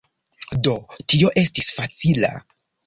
Do tio estis facila.